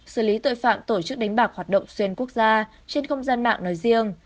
xử lý tội phạm tổ chức đánh bạc hoạt động xuyên quốc gia trên không gian mạng nói riêng